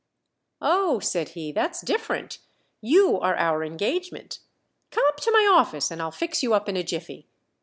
"Oh," said he, "that's different. You are our engagement. Come up to my office, and I'll fix you up in a jiffy."